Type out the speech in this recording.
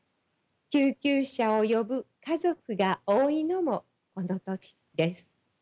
救急車を呼ぶ家族が多いのもこの時です。